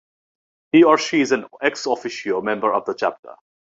He or she is an "ex officio" member of the chapter.